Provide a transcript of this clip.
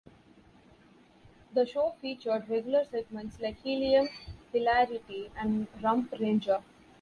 The show featured regular segments like "Helium Hilarity" and "Rump Ranger.